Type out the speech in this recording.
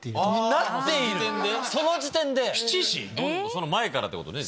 その前からってことね。